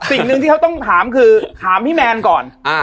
สิ่งหนึ่งที่เขาต้องถามคือถามพี่แมนก่อน